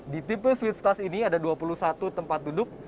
di tipe switch kelas ini ada dua puluh satu tempat duduk